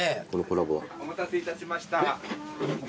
お待たせいたしました。